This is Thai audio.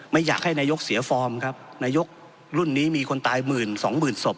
ไม่อยากให้นายกเสียฟอร์มครับนายกรุ่นนี้มีคนตายหมื่นสองหมื่นศพ